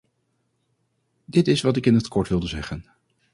Dit is wat ik in het kort wilde zeggen.